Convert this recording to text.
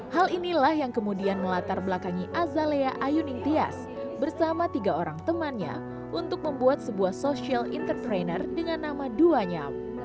hal inilah yang kemudian melatar belakangi azalea ayuning tias bersama tiga orang temannya untuk membuat sebuah social entrepreneur dengan nama duanyam